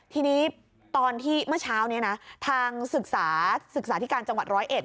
ทีนี้ตอนที่เมื่อเช้านี้นะทางศึกษาที่การจังหวัด๑๐๑